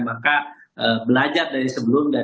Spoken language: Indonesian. maka belajar dari sebelumnya